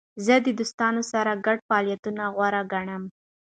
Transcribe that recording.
زه د دوستانو سره ګډ فعالیتونه غوره ګڼم.